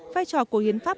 vai trò của hiến pháp